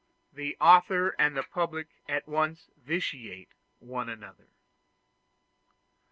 The author and the public at once vitiate one another.